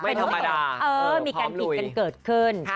มีการผิดกันเกิดขึ้น